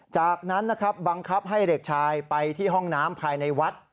จากนั้นนะครับบังคับให้เด็กชายไปที่ห้องน้ำภายในวัด